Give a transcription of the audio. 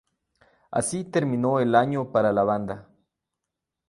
Así terminó el año para la banda.